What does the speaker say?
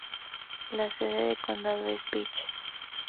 La sede del condado es Beach.